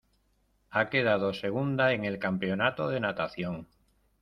Ha quedado segunda en el campeonato de natación.